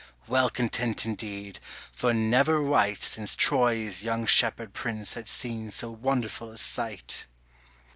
well content indeed, for never wight Since Troy's young shepherd prince had seen so wonderful a sight.